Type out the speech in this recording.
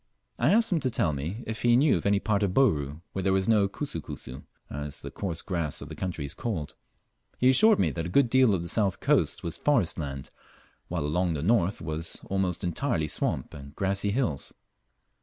I asked him to tell me if he knew of any part of Bouru where there was no "kusu kusu," as the coarse grass of the country is called. He assured me that a good deal of the south coast was forest land, while along the north was almost entirely swamp and grassy hills.